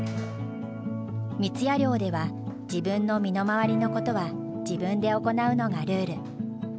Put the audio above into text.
三矢寮では自分の身の回りのことは自分で行うのがルール。